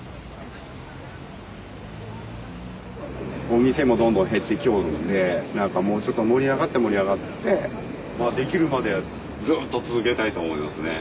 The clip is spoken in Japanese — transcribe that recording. お店もどんどん減ってきよるんでなんかもうちょっと盛り上がって盛り上がってまあできるまでずっと続けたいと思いますね。